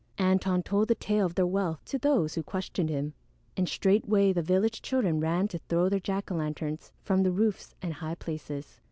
Antone told the tale of their wealth to those who questioned him, and straightway the village children ran to throw their jack o' lanterns from the roofs and high places.